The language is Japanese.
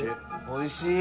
おいしい！